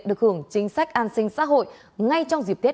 được hưởng chính sách an sinh xã hội ngay trong dịp tiết